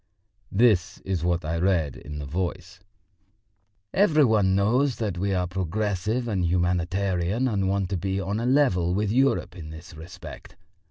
This was what I read in the Voice. "Every one knows that we are progressive and humanitarian and want to be on a level with Europe in this respect.